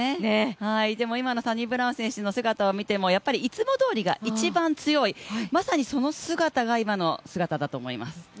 でも今のサニブラウン選手の姿を見ても、いつもどおりが一番強い、まさにその姿が今の姿だと思います。